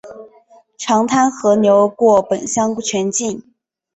长滩河流过本乡全境。